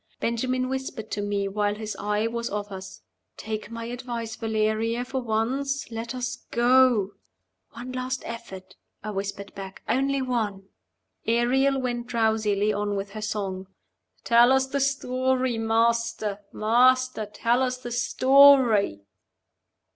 Benjamin whispered to me while his eye was off us, "Take my advice, Valeria, for once; let us go." "One last effort," I whispered back. "Only one!" Ariel went drowsily on with her song "Tell us the story. Master! master! tell us the story."